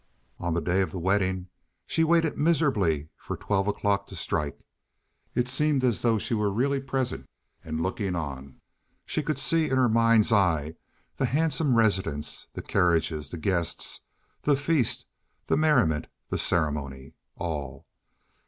On the day of the wedding she waited miserably for twelve o'clock to strike; it seemed as though she were really present—and looking on. She could see in her mind's eye the handsome residence, the carriages, the guests, the feast, the merriment, the ceremony—all.